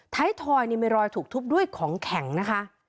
ทอยมีรอยถูกทุบด้วยของแข็งนะคะ